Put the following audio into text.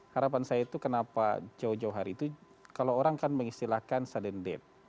harapan saya itu kenapa jauh jauh hari itu kalau orang kan mengistilahkan sudden death